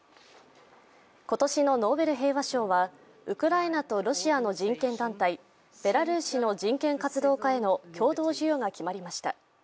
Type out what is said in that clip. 今年のノーベル平和賞は、ウクライナとロシアの人権団体、ベラルーシの人権活動家への共同授与が決まりました。